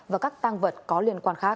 và các tang vật có liên quan khác